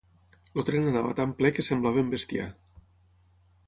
El tren anava tan ple que semblàvem bestiar.